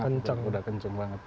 udah kenceng udah kenceng banget